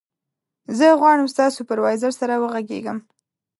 زه غواړم ستا سوپروایزر سره وغږېږم.